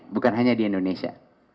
bukan hanya di indonesia